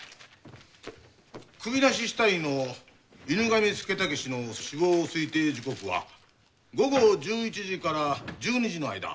首なし死体の犬神佐武氏の死亡推定時刻は午後１１時から１２時の間。